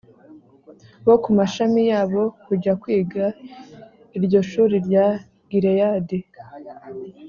bo ku mashami yabo kujya kwiga iryo shuri rya Gileyadi